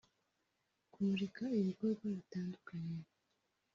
kumurika ibikorwa bitandukanye